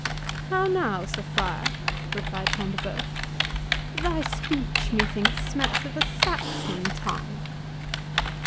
"How now, Sir Friar," replied Front de Bœuf, "thy speech, methinks, smacks of a Saxon tongue?"